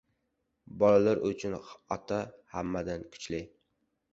• Bolalar uchun ota hammadan kuchli.